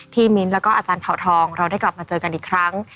มิ้นแล้วก็อาจารย์เผาทองเราได้กลับมาเจอกันอีกครั้ง